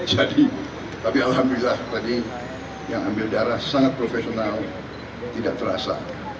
jadi tapi alhamdulillah tadi yang ambil darah sangat profesional tidak terasa